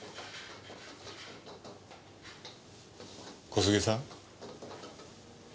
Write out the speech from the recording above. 小菅さん？